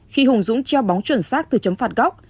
khi hùng dũng treo bóng chuẩn xác từ chấm phạt góc